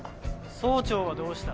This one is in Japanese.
総長はどうした？